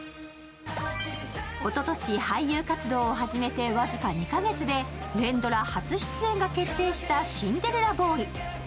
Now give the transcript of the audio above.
おととし、俳優活動を始めて僅か２か月で連ドラ初主演が決定したシンデレラボーイ。